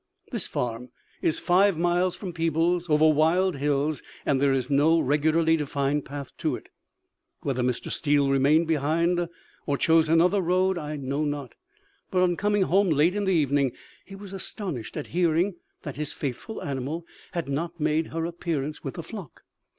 This farm is five miles from Peebles, over wild hills, and there is no regularly defined path to it. Whether Mr. Steel remained behind, or chose another road, I know not; but, on coming home late in the evening, he was astonished at hearing that his faithful animal had not made her appearance with the flock.